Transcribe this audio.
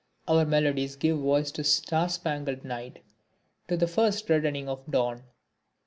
Our melodies give voice to the star spangled night, to the first reddening of dawn.